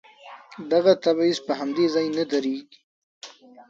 دغه تبعيض په همدې ځای نه درېږي.